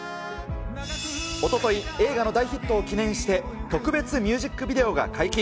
おととい、映画の大ヒットを記念して、特別ミュージックビデオが解禁。